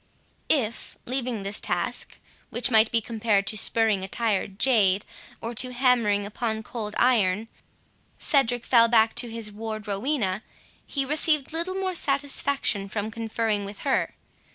If, leaving this task, which might be compared to spurring a tired jade, or to hammering upon cold iron, Cedric fell back to his ward Rowena, he received little more satisfaction from conferring with her.